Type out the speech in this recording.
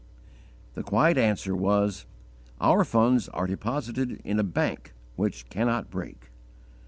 The quiet answer was, "Our funds are deposited in a bank which cannot break."